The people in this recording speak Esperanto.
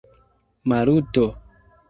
Maluto!